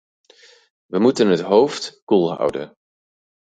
Wij moeten het hoofd koel houden.